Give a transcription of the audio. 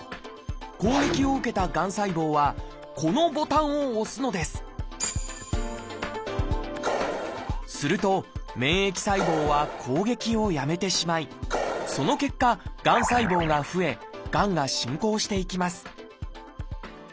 攻撃を受けたがん細胞はこのボタンを押すのですすると免疫細胞は攻撃をやめてしまいその結果がん細胞が増えがんが進行していきます